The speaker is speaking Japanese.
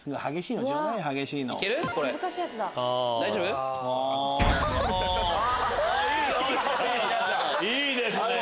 いいですね。